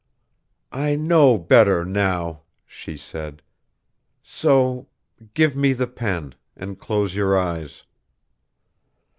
"I know better now," she said. "So give me the pen ... And close your eyes...."